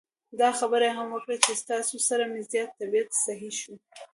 دا خبره یې هم وکړه چې ستاسو سره مې زیات طبعیت سهی شو.